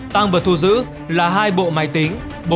tăng vật thu giữ là hai bộ máy tính